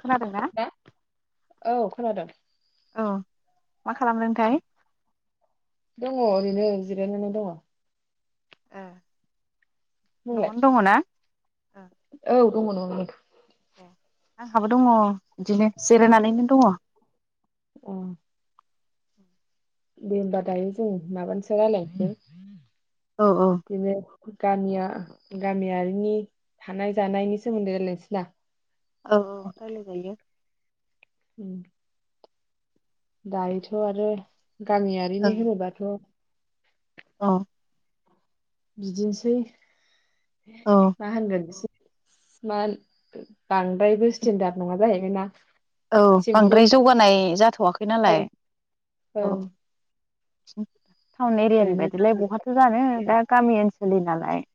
खोनादोंना? ना औ खोनादों। औ मा खालामदों नोंथां? दङ ओरैनो जिरायननानै दङ। एह नोंलाय? न'आवनो दङ ना ओह औ दङ न'वावनो। आंहाबो दङ बिदिनो। जिरायनानैनो दङ। अ दे होमबा दायो जों माबानि सायाव रायलायनोसै। औ बिबो गामिया गामियारिनि थानाय जानायनि सोमोन्दै रायलायसै ना? औ औ रायलाय जायो उम दायोथ' आरो गामियारिनि होनोबाथ' अ बिदिनोसै औ मा होनगोन सि मान बांद्रायबो स्टेेनडार्द नङा जाहैबायना औ बांद्राय जौगानाय जाथ'वाखै नालाय ओं औ ओं [unintelligible] टाउन एरियानि ओरैनो बायदिलाय बहाथ' जानो दा गामि ओन लि नालाय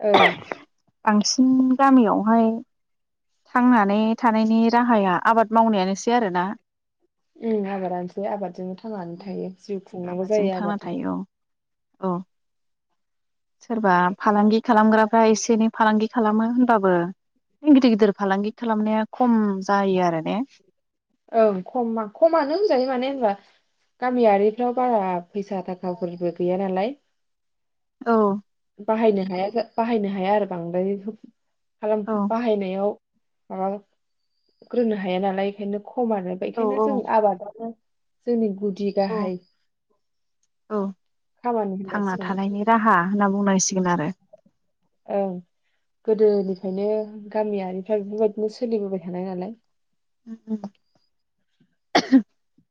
औ बांसिन गामियावहाय थांनानै थानायनि राहाया आबाद मावनायानोसै आरोना उम आबादानोसै आबादजोंनो थांनानै थायो जिउ खुंनांगौ जायो आबादजोंनो अ सोरबा फालांगि खालामग्राफ्रा एसे एनै फालांगि खालामो होनबाबो न गिदिर गिदिर फालांगि खालामनाया खम जायो आरो ने ओं खम खमानो होनजायो माने होनबा गामियारिफ्राव बारा फैसा थाखाफोरबो गैया नालाय औ बाहायनो हाया बाहायनो हाया आरो बांद्राय रोखोम खालाम औ बाहायनायाव ओआ ग्रोननो हाया नालाय बेखायनो खमानो बेखायनो जों आबादानो जोंनि गुद औ औ खामानि थांना होनजासिगोन थानायनि राहा होनना बुंनांसिगोन आरो ओं गोदो निफायनो गामियारिफ्रा बेफोरबायदिनो सोलिबोबाय थानाय नालाय [unintelligible]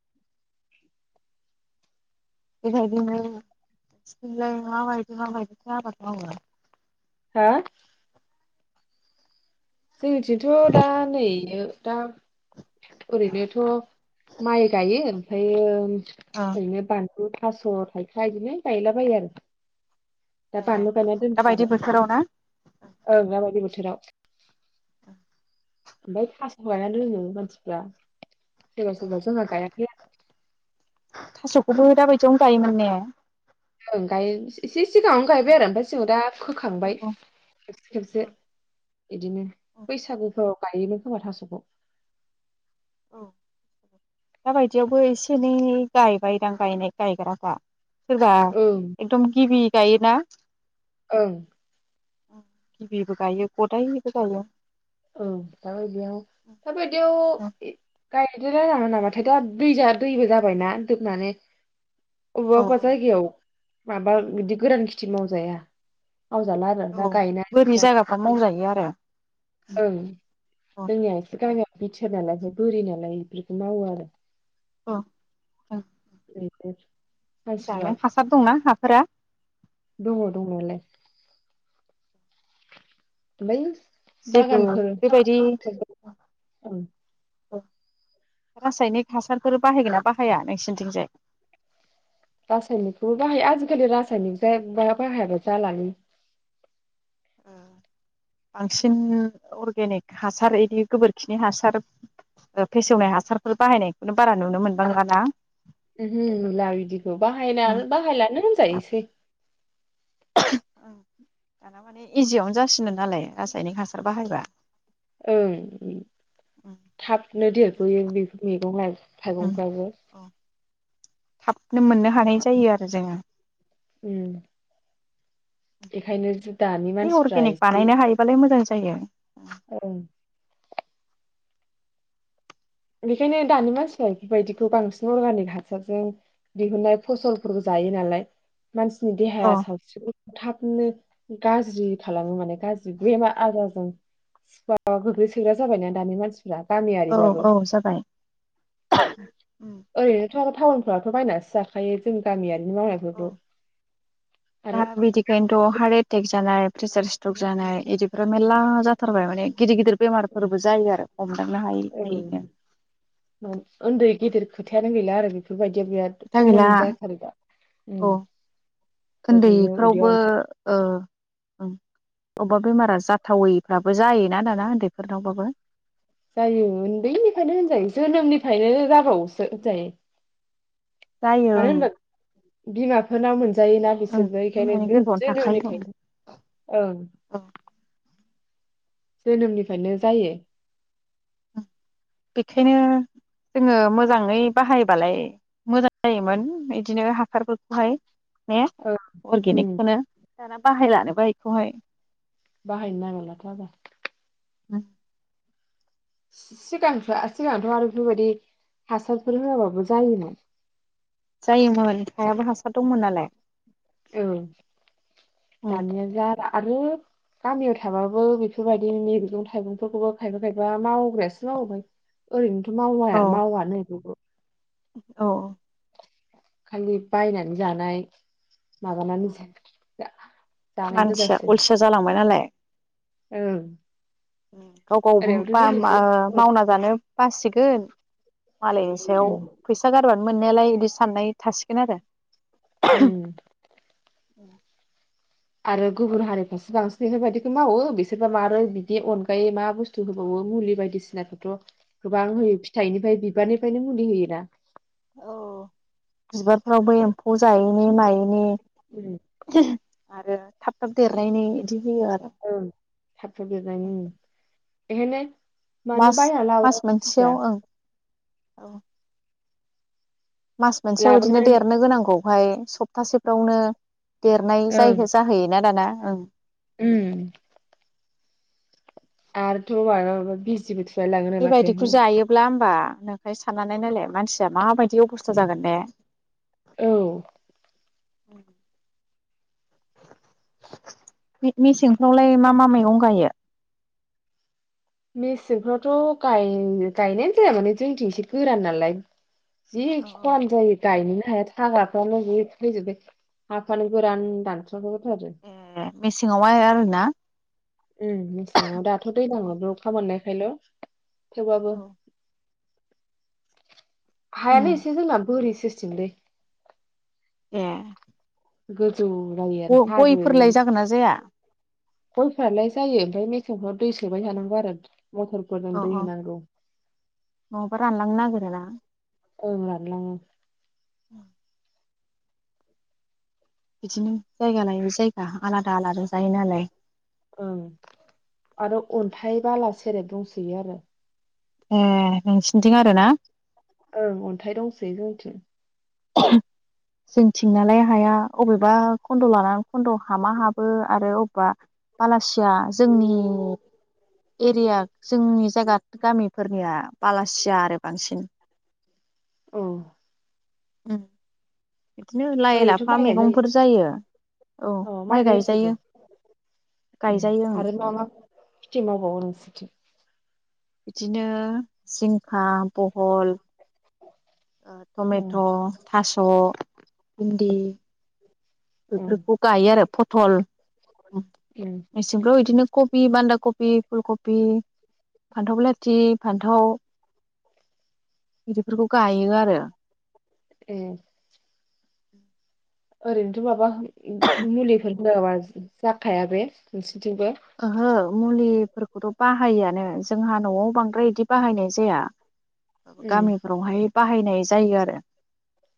[unintelligible] हो जोंनिथिंथ' दा नैयो ओरैनोथ' माइ गायो अ ओमफायो [unintelligible] थास' थाइखा इदिनो गायलाबायो आरो। ए दा बानलु गायना दोनदों दाबायदि आरो बोथोराव ना ओं दा बायदिबानो थोराव [inaudible] ओमफ्राय फासखौ गायना दोनो मानसिफ्रा। [unintelligible] थास'खौबो दाबायदियावनो गायोमोन ने? ओं गायो एसे सिगाङावनो गायबाय आरो ओमफ्राय सिङाव दा खोखांबाय औ खेबसे खेबसे इदिनो बैसागुफ्राव गायोमोन खोमा थास'खौ औ दाबायदियावबो एसे एनै गायबायदां गायनाय गायग्राफ्रा। सोरबा ओं एकदम गिबि गायोना? ओं। गिबिबो गायो गदाइबो गायो। औ दाबायदियाव दाबायदियाव औ [unintelligible] अबा औ अबा जायगायाव माबा बिदि गोरान खेथि मावजाया। मावजाला आरो दा औ गायनाय बोरै फुनाय जायगाफ्रा मावजायो आरो? ओं औ जोंनिया एसे गा [unintelligible] अ औ। [unintelligible] हासिबा जाना हासार दंना हाफोरा? दङ दंनायालाय बै जेबो बेबायदि रासायनिक हासारफोर बाहायगोन ना बाहाया नोंसिनिथिंजाय? रासायनिकखौ बाहायो आजिखालि रासायनिक जा बाहायाबो जाला नो ओ बांसिन अरगेनिक हासार बिदि गोबोरखिनि हासार फेसेवनाय हासारफोर बाहायनायखौनो बारा नुनो मोनबांला नङा ना? उमहो नुला बिदिखौ बाहायना बाहायलानो होनजायोसै दाना माने इजियावनो जासिनो नालाय रासायनिक हासार बाहायबा ओं थाबनो देरबोयो बेफो मैगं थाइगंफ्राबो थाबनो मोननो हानाय जायो आरो जोङो उम एखायनो जो है अर्गेनिक बानायनो हायोबालाय मोजां जायो ओं बेखायनो दानि मानसिफ बेफोरबायदिखौ बांसिन अर्गानिक हासारजों दिहुनाय फसलफोर जायो नालाय मानसिनि औ देहाया सावस्रिबो थाबनो गाज्रि खालामो माने गाज्रि बेमा आजाराजों सिवा गोग्लैसोग्रा जाबायना दानि मानसिफ औ औ जाबाय उम ओरैनोथ' टाउन फोरथ' बायनानैसो जाखायो जोंनि गामिया औ दा आरो बिदिखायनोथ' हार एटेक् जानाय प्रेसार स क जानाय इदिफोरा मेरला जाथारबाय माने गिदिर गिद बेमारफोरबो जायो आरो हमदांनो हायै हायैनो औ उन्दै गेदेर खोथायानो गैला आरो बेफोरबायदि बिदिया बिराद खोथा गैला कमन जाथारो दा औ ओरैनो उन्दैफ्रावबो उदैयाव‌ अन्थाय ओ ओं अबेबा बेमारा जाथावैफ्राबो जायोना दाना उन्दैफोरनावबाबो जायो उन्दैनिफ्रायनो होनजायो जोनोमनिफ्रायनो जाबावोसो होनजायो जायो मानो ओं होनबा बिमाफोरनाव मोनसे जायोना बिसोरबो ओं माने ऐखायनो‌ गोरबोआवनो जोनोमनि थाखायो थायो ओं औ जोनोमनिफ्रायनो जायो बेखायनो जोङो मोजाङै बाहायबालाय मोजां जायोमोन बिदिनो हासारफोरखौहाय ने ओं उम अर्गेनिकखौनो दाना बाहायला नोबा ऐखौहाय। बाहाय नांलाथ' आरो। उम। सिगांथ' सिगांथ' आरो बेफोर बायदि हासार फोर होआबाबो जायोमोन। जायोमोन हायाबो हासार दंमोन नालाय। औ दानिया जार आरो गामियाव थाबाबो बेफोर बायदि मैगं थाइगं फोरखौबो खायफा खायफा मावग्रा यासो मावबाय ओरैनो। माव औ मावानो बेबो। औ। खालि बायनानै जानाय माबानानै ज [unintelligible] दा मानसिया अलसिया जालांबाय नालाय ओ। गाव गाव बा ओ मावना जानो बासिगोन मालायनि सायाव उम फैसा गा बानो मोननायालाय बिदि साननाय थासिगोन आरो। उम। औ। आरो गुबुन हारिफ्रासो बांसिन बेफोर बायदिखौ मावो बिसोरबा मारै बिदि अनगायै मा बुस्थु होबावो मुलि बायदि सिनाखौथ' गोबां होयो फिथाइ निफ्राय बिबार निफ्रायनो मुलि होयोना? औ बिबार फ्रावबो एम्फौ जायैनि उम मायैनि [unintelligible] आरो थाब थाब देरनायनि इदि औ थाब थाब देरनायनि ओम। बेहोनो मास मास मोनसेयाव ओं। औ। मास मोनसेयाव इदिनो लाबोनानै दोन देरनो गोनांगौ बहाय सप्तासे फ्रावनो देरनाय जाय ओं जाहोयोना दाना? ओं। उम। आरोथ' मालाबा बिजिबो थु बेबायदिखौ जायोब्ला बा नुवाखै साननानै नायलाय मानसिया माबायदि अबस्था जागोन ने? औ उम [inaudible] मे मे मेसेंफ्रावलाय मा-मा मैगं गायो मेसेंफ्रावथ गायनायानो जाया माने जोंथि एसे गोरान नालाय जि खरानो जायो गायनो हाग्राफ्रानो बि थैजोबबाय हाफ्रानो गोरान रानथ्रथ जाथारो मेसेंङाव आव आरोना उम मेसेङाव दाथ दैलांङाव बे अखा मोननायखायल थेवबाबो [inaudible] उम हायानो इसे जोंना बोरि थिसिमलै ए गो जौ जायो हाजो गयफोरलाय जागोन ना जाया गयफ्रालाय जायो ओमफ्राय मे [unintelligible] दै सोबाय थानांगौ अ अ आरो [inaudible] ा [unintelligible] औ रानलांडो [unintelligible] बिदिनो जायगा लायो जायगा आलादा आलादा जायो नालाय ओ आरो अन्थाइ बाला सेरेब दंसोयो आरो ए नोंसिनिथिं आरो ना औ अन्थाइ दंसोयो जोंनिथिं ओ जोंथिंनियालाय हाया अबेबा खन्द लानानै खन्द हामा हाबो आरो अबेबा बालासिया जोंनि एरिया जोंनि जायगा गामिफोरनिया बालासिया आरो बांसिन औ ओम ओरैनोथ माइ गायो जायो औ अ माइ गायजोबो गायजायो गायजायो ओं आरो मा मा खेथि मावबावो नोंसोरथि? बिदिनो जिं खा फहल उम टमेट थास बिनदि उम बेफोरखौ गायो आरो फथल उम मेसिंफ्राव बिदिनो कबि बान्दा कबि फुल कबि फान्थाव बेलाथि फान्थाव इदिफोरखौ गायो आरो ए [unintelligible] ओरैनोथ माबा ओ मुलिफोर होआबा जाखाया बे। ओहो मुलिफोरखौथ' बाहायोआनो जोंहा नवाव बांद्राय इदि बाहायनाय जाया। उम गामिफोरावहाय बाहायनाय जायो आरो।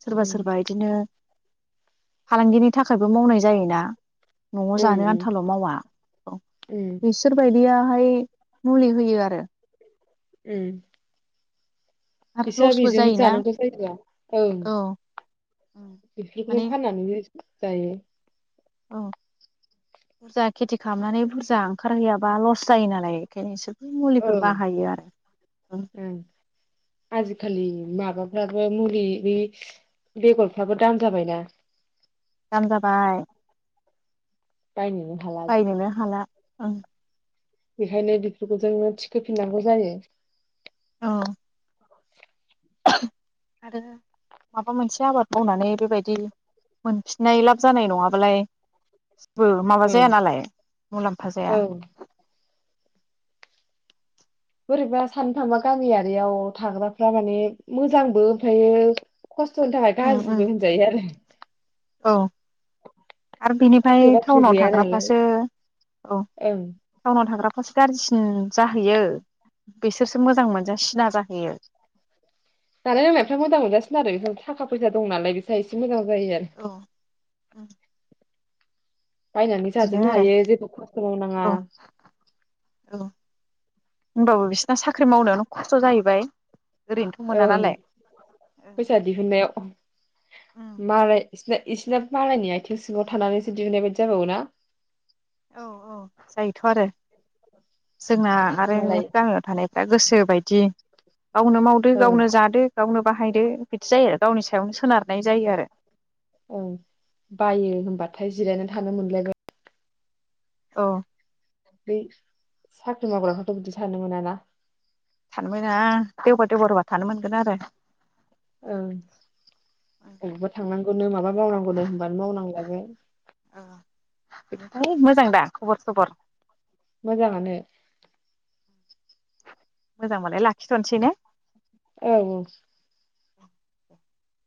सोरबा उम सोरबा इदिनो फालांगिनि थाखायबो मावनाय जायोना। नवाव उम जानो उम आन्थाल' मावा। उम बिसोर बायदिया बाहाय मुलि होयो आरो। ओम आरो बिसोर लसबो बिजोंनो जायोना जानांगौ जायोदा ओं। औ बिफोरखौनो माने फाननानैनो जायो। औ बुरजा खेथि खालामनानै बुरजा ओंखारहैयाबा लस जायो नालाय एखायनो एसोर औं उम आजिखालि माबा फ्राबो मुलि बै बेगरफ्राबो दाम जाबायना। दाम जाबाय। बायनोनो हाला बायनोनो हाला। ओं बेखायनो बेफोरखौ जोङो थिखोफिननांगौ जायो। औ आरो माबा मोनसे आबाद मावनानै बेबायदि मोनफिननाय लाब जानाय नङाबालाय बो माबा ओं जाया नालाय मुलाम्फा जाया। ओं बोरैबा सान्नो थांबा गामियारियाव थाग्राफ्रा माने मोजांबो ओमफ्रायो खस्थ'नि थाखाय उम उम गाज्रिबो होनजायो आरो। औ आरो बिनिफ्राय साख्रि बाख्रि टाउनाव गैया नालाय थाग्राफ्रासो औ ओं टाउनाव थाग्रा फ्रासो गाज्रिसिन जाहैयो बिसोरसो मोजां मोनजा सिना जाहैयो। जानाय लोंनायफ्रा मोजां मोनजासिनो आरो थाखा फैसा दं नालाय बिस्रा एसे मोजां जायो आरो। औ बायनानै बिदिनो जाजोबनो आरो हायो जेबो खस्थ' मावनाङा। ओमबाबो बिसो साख्रि मावनायावल' खस्थ' जाहैबाय। ओरैनोथ' मोना ओं नालाय फैसा दिहुननायाव मालाय इसना इसिना बालायनि आथिं सिङाव थानानैसो देरनाय बायदि जाबावो ना? औ औ जायोथ' आरो। जोंना आरो मालाय गामियाव थानायफ्रा गोसो बायदि गावनो मावदो ओं गावनो जादो गावनो बाहायदो बिदि जायो आरो गावनि सायावनो सोनारनाय जायो आरो। औ बायो होनबाथाय जिरायनानै थानो मोनलायबाय। औ बै साख्रि मावग्राफ्राथ' बिदि थानो मोनाना? थानो मोना देवबार देवबारबा थानो मोनगोन आरो। ओं अबावबा थांनां गौनो माबा मावनांगौ नो होनबानो मावनांलायबाय। बिनिफाय मोजां दा खबर सबर मोजाङानो मोजांबालाय लाखिथ'नोसै ने? औ औ [inaudible]